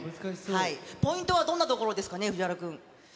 ポイントはどんなところですかね、藤原君。